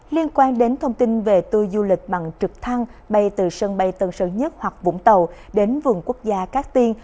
liên quan đến thông tin về tour du lịch bằng trực thăng bay từ sân bay tân sơn nhất hoặc vũng tàu đến vườn quốc gia cát tiên